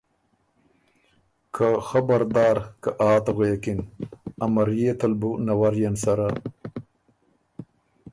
که خبردار! که ”آ“ ت غوېکِن، ا مريې تل بُو نَوَريېن سره